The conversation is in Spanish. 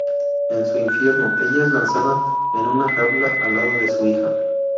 En su infierno, ella es lanzada en una jaula al lado de su hija.